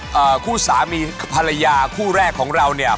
วันนี้เนี่ยนะครับคู่สามีภรรยาคู่แรกของเราเนี่ย